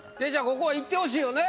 ここはいってほしいよね